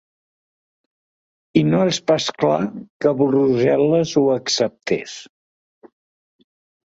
I no és pas clar que Brussel·les ho acceptés.